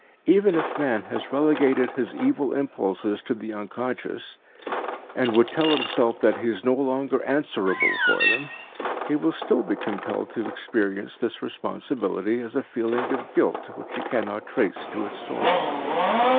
Even if man has relegated his evil impulses to the unconscious, and would tell himself that he is no longer answerable for them, he will still be compelled to experience this responsibility as a feeling of guilt which he cannot trace to its source.